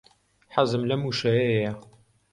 حەزم لەم وشەیەیە.